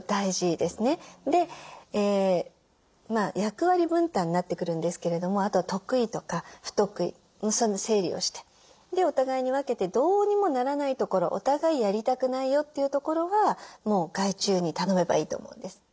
で役割分担になってくるんですけれどもあとは得意とか不得意その整理をしてでお互いに分けてどうにもならないところお互いやりたくないよっていうところはもう外注に頼めばいいと思うんです。